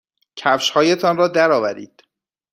کفشهایتان را درآورید.